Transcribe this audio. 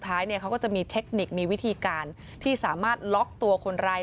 ท้ายเขาก็จะมีเทคนิคมีวิธีการที่สามารถล็อกตัวคนร้าย